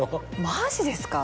マジですか？